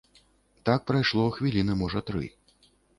Так прайшло хвіліны можа тры.